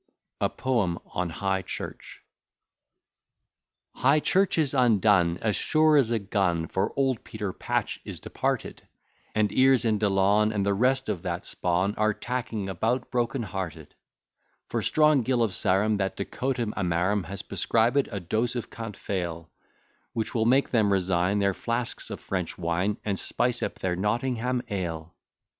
A POEM ON HIGH CHURCH High Church is undone, As sure as a gun, For old Peter Patch is departed; And Eyres and Delaune, And the rest of that spawn, Are tacking about broken hearted. For strong Gill of Sarum, That decoctum amarum, Has prescribed a dose of cant fail; Which will make them resign Their flasks of French wine, And spice up their Nottingham ale.